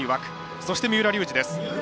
そして、三浦龍司。